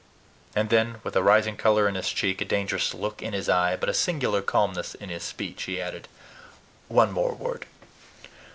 And then, with a rising color in his cheek, a dangerous look in his eye, but a singular calmness in his speech, he added: "One word more.